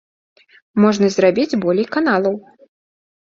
Можна зрабіць болей каналаў.